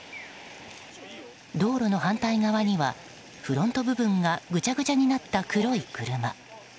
道路の反対側にはフロント部分がぐちゃぐちゃになった黒い車。